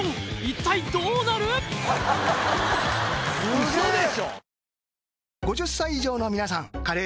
ウソでしょ？